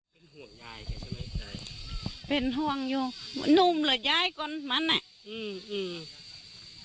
เป็นห่วงยายแกใช่ไหมใจเป็นห่วงอยู่นุ่มเหรอยายก่อนมันอ่ะอืมอืม